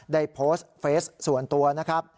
ได้โพสต์เฟสส่วนตัวนะครับ